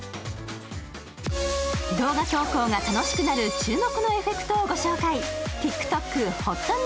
動画投稿が楽しくなる注目のエフェクトをご紹介。